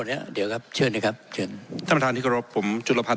เดี๋ยวครับเชิญหน่อยครับเชิญท่านประธานธิกฤพธิ์ผมจุลภัณฑ์